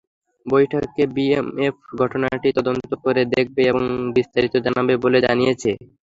বৈঠকে বিএসএফ ঘটনাটি তদন্ত করে দেখবে এবং বিস্তারিত জানাবে বলে জানিয়েছে।